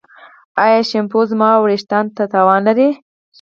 ایا شیمپو زما ویښتو ته تاوان لري؟